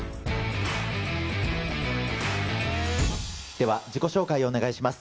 では自己紹介をお願いします。